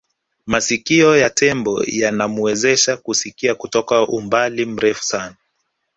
masikio ya tembo yanamuwezesha kusikia kutoka umbali mrefu sana